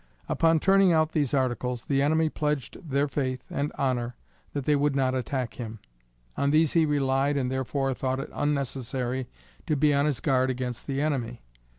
Upon turning out those articles, the enemy pledged their faith and honor that they would not attack him. On these he relied and therefore thought it unnecessary to be on his guard against the enemy.